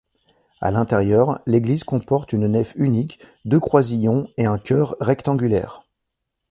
À l'intérieur, l'église comporte une nef unique, deux croisillons et un chœur rectangulaire.